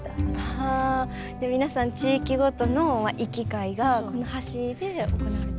あじゃあ皆さん地域ごとの行き交いがこの橋で行われてた。